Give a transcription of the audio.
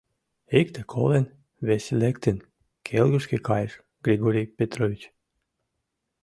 — Икте колен, весе лектын, — келгышке кайыш Григорий Петрович.